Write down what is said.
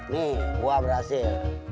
nih gua berhasil